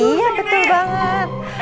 iya betul banget